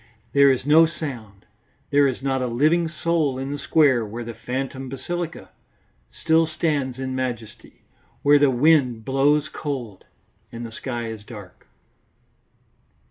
There is no sound; there is not a living soul in the square where the phantom basilica still stands in majesty, where the wind blows cold and the sky is dark.